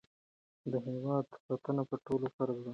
د هېواد ساتنه په ټولو فرض ده.